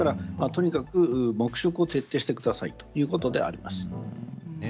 とにかく黙食を徹底してくださいということであります。